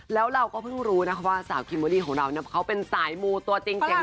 แล้วเราก็เพิ่งรู้นะคะว่าสาวคิมเบอร์รี่ของเราเขาเป็นสายมูตัวจริงเสียง